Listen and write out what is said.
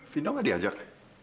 vino gak diajak